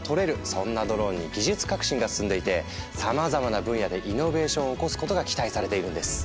そんなドローンに技術革新が進んでいてさまざまな分野でイノベーションを起こすことが期待されているんです。